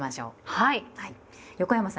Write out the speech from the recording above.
はい。